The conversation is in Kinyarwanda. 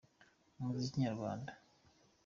Umuziki nyarwanda.